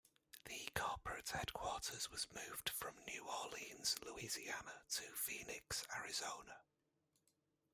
The corporate headquarters was moved from New Orleans, Louisiana to Phoenix, Arizona.